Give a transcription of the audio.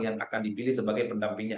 yang akan dipilih sebagai pendampingnya